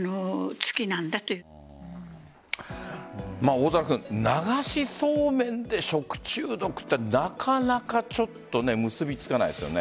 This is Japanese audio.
大空君流しそうめんで食中毒はなかなか結びつかないですよね。